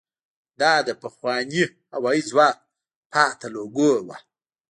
دا د پخواني هوايي ځواک پاتې لوګو وه.